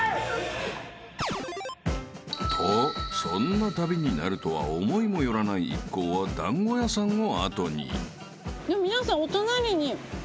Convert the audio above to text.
［とそんな旅になるとは思いも寄らない一行は団子屋さんを後に］えっ？